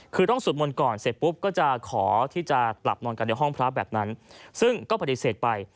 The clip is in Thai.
คือต้องสวดมนต์ก่อนเสร็จปุ๊บก็จะขอที่จะหลับนอนกันในห้องพระแบบนั้นซึ่งก็ปฏิเสธไป